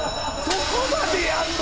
そこまでやんの？